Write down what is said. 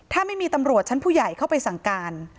ถ้าไม่มีตำรวจชั้นผู้ใหญ่เข้าไปสั่งการ